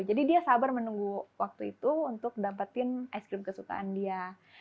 jadi dia sabar menunggu waktu itu untuk mendapatkan ice cream kesukaan dia